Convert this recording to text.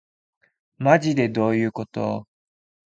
まじでどういうこと